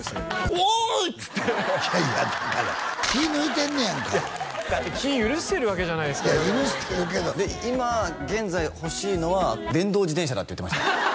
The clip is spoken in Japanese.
「おーい！」っつっていやいやだから気い抜いてんのやんか気許してるわけじゃないですか許してるけど今現在欲しいのは電動自転車だって言ってました